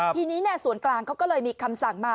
ทีนี้ส่วนกลางเขาก็เลยมีคำสั่งมา